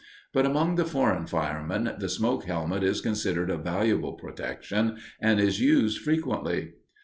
But among the foreign firemen the smoke helmet is considered a valuable protection, and is used frequently.